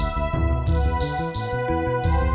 saya juga bers dorong